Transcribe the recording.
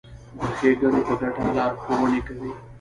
د ښېګڼې په ګټه لارښوونې کوي.